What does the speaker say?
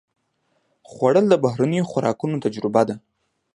خوړل د بهرنیو خوراکونو تجربه ده